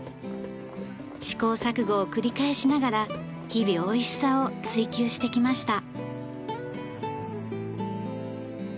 試行錯誤を繰り返しながら日々おいしさを追求してきました。